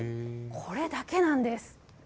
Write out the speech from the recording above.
これだけなんです。